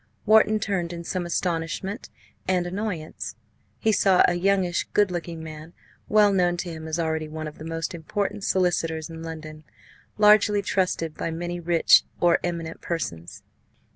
Wharton turned in some astonishment and annoyance. He saw a youngish, good looking man, well known to him as already one of the most important solicitors in London, largely trusted by many rich or eminent persons.